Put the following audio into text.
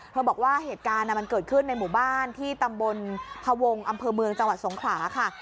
บอกว่าเหตุการณ์มันเกิดขึ้นในหมู่บ้านที่ตำบลพวงอำเภอเมืองจังหวัดสงขลาค่ะ